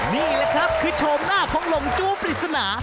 นี่แหละครับคือโฉมหน้าของหลงจู้ปริศนา